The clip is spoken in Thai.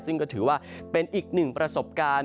ซึ่งก็ถือว่าเป็นอีกหนึ่งประสบการณ์